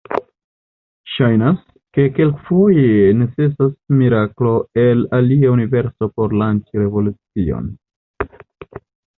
Ŝajnas, ke kelkfoje necesas miraklo el alia universo por lanĉi revolucion.